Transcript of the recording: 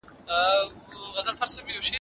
یو خو دا چي نن